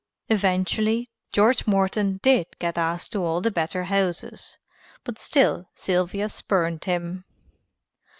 Eventually, George Morton did get asked to all the better houses, but still Sylvia spurned him.